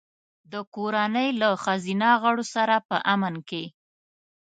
د کورنۍ له ښځینه غړو سره په امن کې.